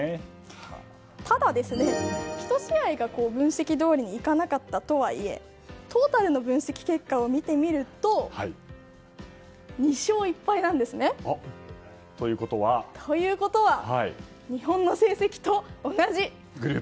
ただ、１試合が分析どおりにいかなかったとはいえトータルの分析結果を見てみると２勝１敗なんですね。ということは日本の成績と同じ。